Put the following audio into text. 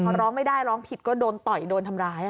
พอร้องไม่ได้ร้องผิดก็โดนต่อยโดนทำร้าย